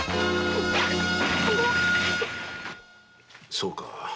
そうか。